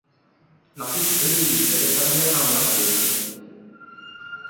নাফিস খালিলি তাকে সাবিহা খানম নাম দিয়েছিলেন।